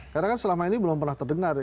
karena kan selama ini belum pernah terdengar